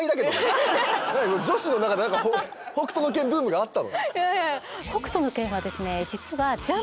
女子の中で『北斗の拳』ブームがあったの？